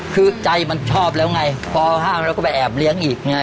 คือใจมันชอบแล้วไงพอห้ามแล้วก็ไปแอบเลี้ยงอีกไง